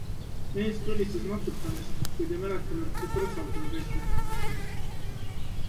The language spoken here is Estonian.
Mees tunnistas napsutamist, kuid ei mäletanud, et oleks autoga sõitnud.